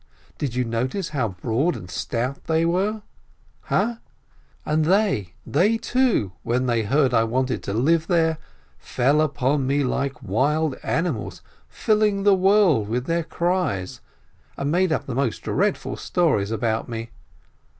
Did you notice how broad and stout they were ? Ha ? And they, they too, when they heard I wanted to live there, fell upon me like wild animals, filling the world with their cries, and made up the most dreadful stories about me.